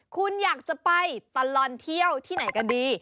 คุณอยากจะไปตลอดเที่ยวที่ไหนกันดี